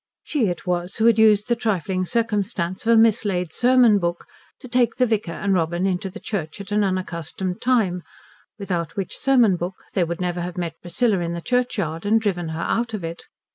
She it was who had used the trifling circumstance of a mislaid sermon book to take the vicar and Robin into the church at an unaccustomed time, without which sermon book they would never have met Priscilla in the churchyard and driven her out of it.